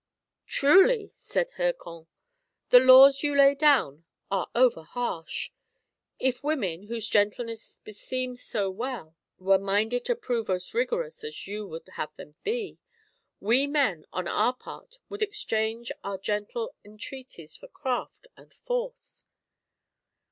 "Truly," said Hircan, " the laws you lay down are over harsh. If women, whom gentleness beseems so well, were minded to prove as rigorous as you would have them be, we men, on our part, would exchange our gentle entreaties for craft and force."